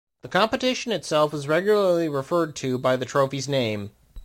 The competition itself is regularly referred to by the trophy's name.